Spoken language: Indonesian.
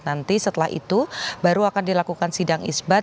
nanti setelah itu baru akan dilakukan sidang isbat